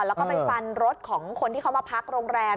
แล้วก็ไปฟันรถของคนที่เขามาพักโรงแรม